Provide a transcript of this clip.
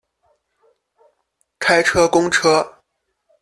开车公车